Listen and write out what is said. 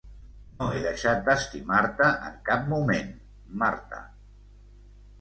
No he deixat d'estimar-te en cap moment, Marta.